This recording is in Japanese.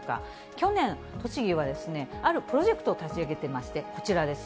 去年、栃木はあるプロジェクトを立ち上げていまして、こちらです。